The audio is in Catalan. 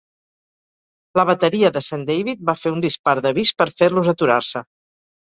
La bateria de St. David va fer un dispar d'avís per fer-los aturar-se.